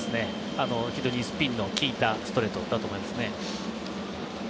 非常にスピンの効いたストレートだと思いますね。